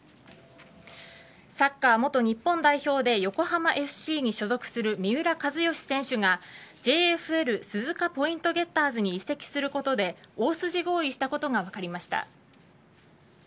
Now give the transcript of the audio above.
サッカー元日本代表で横浜ＦＣに所属する三浦知良選手がＪＦＬ鈴鹿ポイントゲッターズに移籍することで大筋合意したことが分かりました。